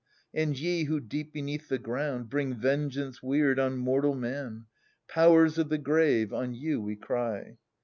And ye who, deep beneath the ground. Bring vengeance weird on mortal man, Powers of the grave, on you we cry